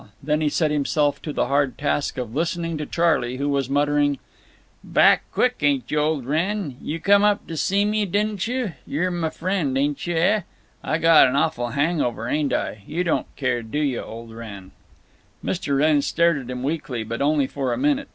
Then he set himself to the hard task of listening to Charley, who was muttering: "Back quick, ain't you, ol' Wrenn? You come up to see me, didn't you? You're m' friend, ain't you, eh? I got an awful hang over, ain't I? You don't care, do you, ol' Wrenn?" Mr. Wrenn stared at him weakly, but only for a minute.